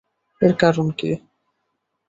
এর কারণ কি?